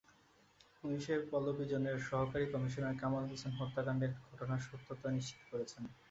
পুলিশের পল্লবী জোনের সহকারী কমিশনার কামাল হোসেন হত্যাকাণ্ডের ঘটনার সত্যতা নিশ্চিত করেছেন।